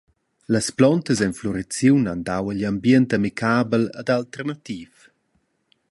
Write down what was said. Las plontas en fluriziun han dau igl ambient amicabel ed alternativ.